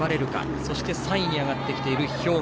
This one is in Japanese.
そして、３位に上がっている兵庫